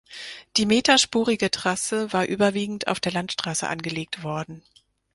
Die meterspurige Trasse war überwiegend auf der Landstrasse angelegt worden.